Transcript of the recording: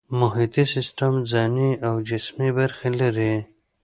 محیطي سیستم ځانی او جسمي برخې لري